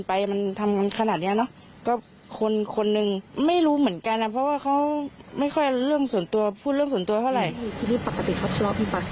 พูดเรื่องส่วนตัวเท่าไหร่